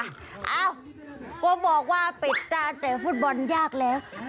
เอ้าก็บอกว่าปิดตาเตะฟุตบอลยากแล้ว